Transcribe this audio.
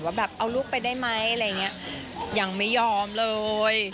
ว่าแบบเอาลูกไปได้ไหมอะไรอย่างนี้ยังไม่ยอมเลย